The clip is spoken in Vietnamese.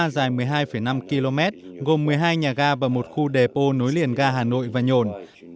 dài một mươi hai năm km gồm một mươi hai nhà ga và một khu đề bô nối liền ga hà nội và nhồn